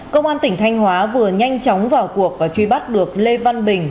cơ quan tỉnh thanh hóa vừa nhanh chóng vào cuộc và truy bắt được lê văn bình